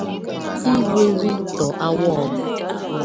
Igwe Victor Awogu